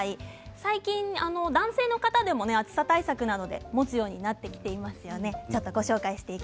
最近男性の方でも暑さ対策などで持つようになってきていますよね。